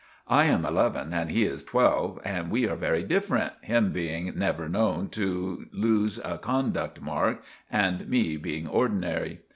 I am eleven and he is twelve and we are very diffrent, him being never knone to lose a conduct mark, and me being ordinry.